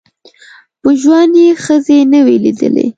په ژوند یې ښځي نه وې لیدلي